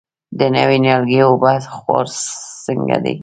د نوي نیالګي اوبه خور څنګه دی؟